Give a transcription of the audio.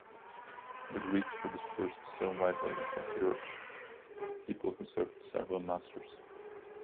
The Greeks were dispersed so widely across Europe, people who served several masters.